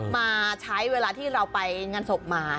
มาใช้เวลาที่เราไปงานศพมา